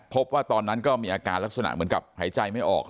พบว่าตอนนั้นก็มีอาการลักษณะเหมือนกับหายใจไม่ออก